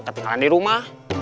ketinggalan di rumah